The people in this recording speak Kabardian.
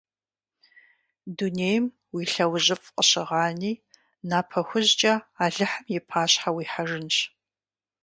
Дунейм уи лъэужьыфӀ къыщыгъани, напэ хужькӀэ Алыхьым и пащхьэ уихьэжынщ…